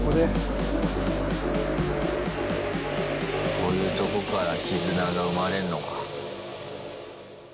こういうとこから絆が生まれんのか。